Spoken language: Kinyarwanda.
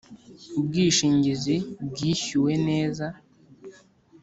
ubwishingizi bwishyuwe neza